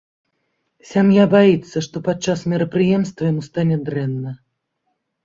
Сям'я баіцца, што падчас мерапрыемства яму стане дрэнна.